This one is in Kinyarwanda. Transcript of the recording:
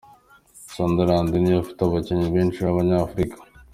Sunderland niyo ifite abakinnyi benshi b’Abanyafurika.